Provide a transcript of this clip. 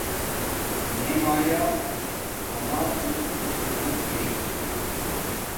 میے مایا اما بوت خدمت اِرے گی چھی